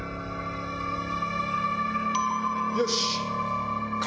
よし。